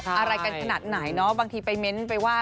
อะไรกันขนาดไหนเนาะบางทีไปเน้นไปว่า